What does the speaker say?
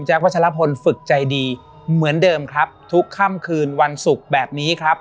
พัชลพลฝึกใจดีเหมือนเดิมครับทุกค่ำคืนวันศุกร์แบบนี้ครับ